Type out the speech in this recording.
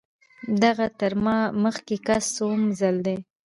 دغه تر ما مخکې کس څووم ځل دی.